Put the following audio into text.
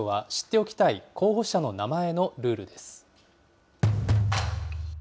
きょうは知っておきたい候補者の名前のルールです。